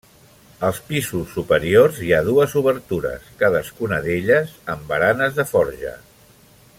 Als pisos superiors hi ha dues obertures, cadascuna d'elles amb baranes de forja.